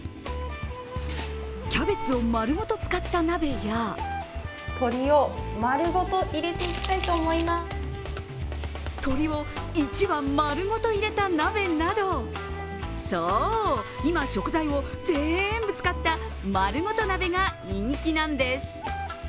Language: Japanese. キャベツをまるごと使った鍋や鶏を１羽まるごと入れた鍋などそう、今、食材を全部使ったまるごと鍋が人気なんです。